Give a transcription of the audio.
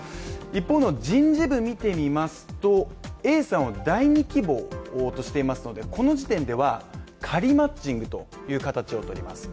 一方の人事部見てみますと、Ａさんを第２希望としていますのでこの時点では仮マッチングという形をとります。